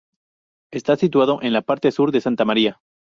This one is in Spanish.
Está situado en la parte sur de Santa Maria.